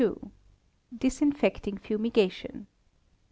Disinfecting Fumigation.